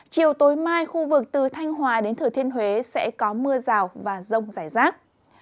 chiều tối mai khu vực từ thanh hòa đến thử thiên huế sẽ có mưa rào và rông rải rác